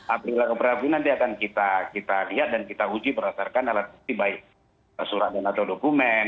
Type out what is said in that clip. april prabu nanti akan kita lihat dan kita uji berdasarkan alat bukti baik surat dan atau dokumen